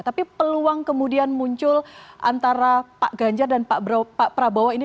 tapi peluang kemudian muncul antara pak ganjar dan pak prabowo ini